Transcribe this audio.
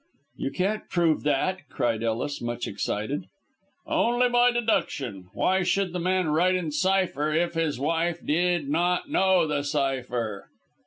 "You can't prove that!" cried Ellis, much excited. "Only by deduction. Why should the man write in a cypher if his wife did not know the cypher?"